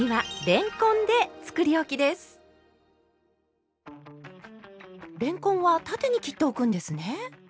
れんこんは縦に切っておくんですね？